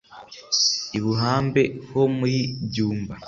i buhambe ho muri byumba ,